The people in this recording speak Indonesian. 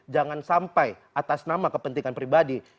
jangan sampai atas nama kepentingan pribadi